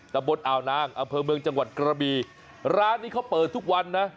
ตะบนอ่าวนางอำเภอเมืองจังหวัดกระบีร้านนี้เขาเปิดทุกวันนะ